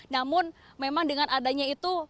namun memang dengan adanya itu